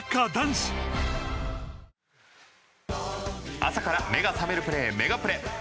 朝から目が覚めるプレーメガプレ。